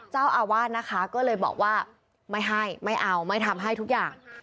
เจ้าอาวาสนะคะก็เลยบอกว่าไม่ให้ไม่เอาไม่ทำให้ทุกอย่าง